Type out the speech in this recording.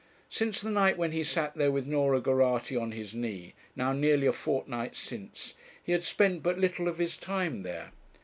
Since the night when he sat there with Norah Geraghty on his knee, now nearly a fortnight since, he had spent but little of his time there.